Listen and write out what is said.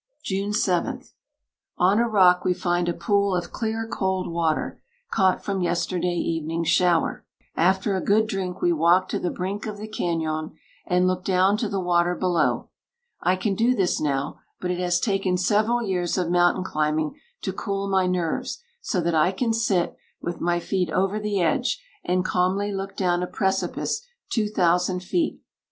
"June 7. On a rock we find a pool of clear, cold water, caught from yesterday evening's shower. After a good drink we walk to the brink of the cañon, and look down to the water below. I can do this now, but it has taken several years of mountain climbing to cool my nerves, so that I can sit, with my feet over the edge, and calmly look down a precipice two thousand feet.